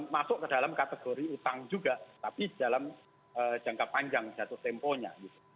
masuk ke dalam kategori utang juga tapi dalam jangka panjang jatuh temponya